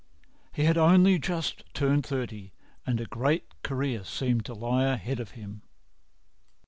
He had only just turned thirty, and a great career seemed to lie ahead of him.